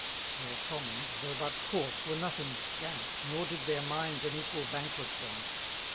Their commons, though but coarse, were nothing scant, Nor did their minds an equal banquet want.